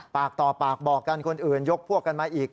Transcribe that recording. ปากต่อปากบอกกันคนอื่นยกพวกกันมาอีก